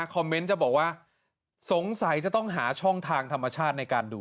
จะบอกว่าสงสัยจะต้องหาช่องทางธรรมชาติในการดู